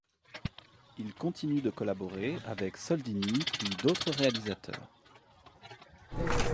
Il continue de collaborer avec Soldini puis d'autres réalisateurs.